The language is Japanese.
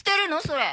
それ。